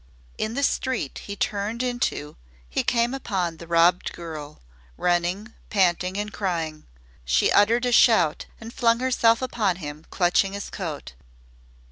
In the street he turned into he came upon the robbed girl, running, panting, and crying. She uttered a shout and flung herself upon him, clutching his coat.